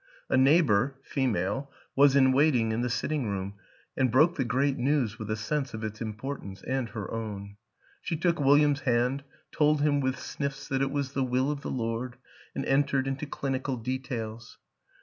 A neighbor (fe male) was in waiting in the sitting room and broke the great news with a sense of its importance and her own ; she took William's hand, told him with sniffs that it was the will of the Lord, and entered into clinical details.